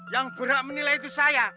yang berhak menilai itu saya